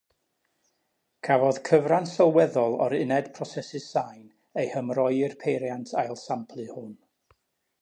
Cafodd cyfran sylweddol o'r uned prosesu sain ei hymroi i'r peiriant ail-samplu hwn.